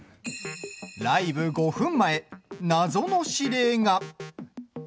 ライブ５分前、謎の指令が。